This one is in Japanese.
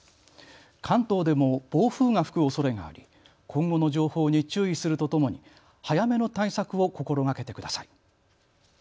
関東でも暴風が吹くおそれがあり今後の情報に注意するとともに早めの対策を心がけてください。